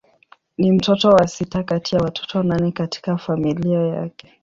Ni mtoto wa sita kati ya watoto nane katika familia yake.